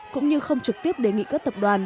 cũng như không trực tiếp đề nghị các tập đoàn